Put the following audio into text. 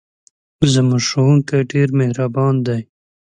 زموږ ښوونکی ډېر مهربان دی.